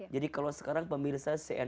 jadi kalau sekarang pemirsa cnn ini